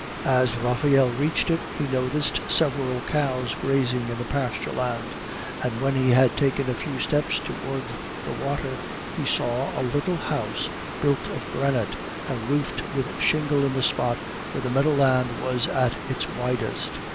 As Raphael reached it, he noticed several cows grazing in the pasture land; and when he had taken a few steps towards the water, he saw a little house built of granite and roofed with shingle in the spot where the meadowland was at its widest.